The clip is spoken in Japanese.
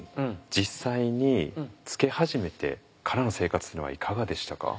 実際につけ始めてからの生活っていうのはいかがでしたか？